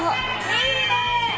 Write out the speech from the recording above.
いいね！